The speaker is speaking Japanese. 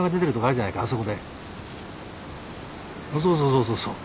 そうそうそうそうそう。